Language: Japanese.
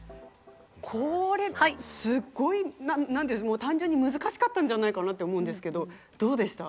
これすっごい単純に難しかったんじゃないかなって思うんですけどどうでした？